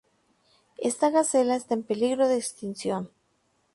Esta gacela está en peligro de extinción.